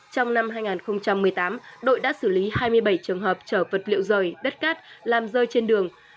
trong năm hai nghìn một mươi tám đội đã xử lý hai mươi bảy trường hợp chở vật liệu rời đất cát làm rơi trên đường